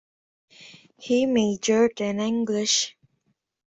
He majored in English.